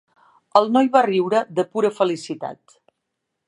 El noi va riure, de pura felicitat.